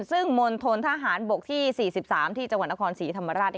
ซึ่งมณฑนทหารบกที่๔๓ที่จังหวัดนครศรีธรรมราช